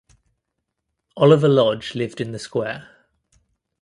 Oliver Lodge lived in the square.